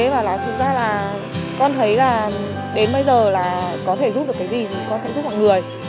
và thực ra là con thấy là đến bây giờ là có thể giúp được cái gì con sẽ giúp mọi người